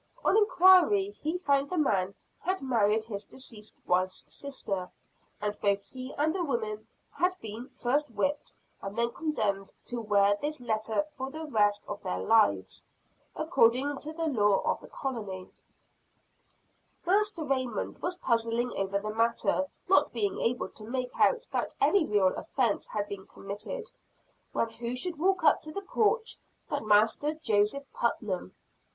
On inquiry he found the man had married his deceased wife's sister; and both he and the woman had been first whipped, and then condemned to wear this letter for the rest of their lives, according to the law of the colony. [Footnote 3: See Drake's History of Boston] Master Raymond was puzzling over the matter not being able to make out that any real offence had been committed, when who should walk up to the porch but Master Joseph Putnam.